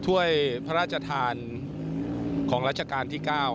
ถ้วยพระราชทานของรัชกาลที่๙